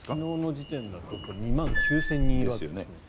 昨日の時点だと２万９０００人いますね。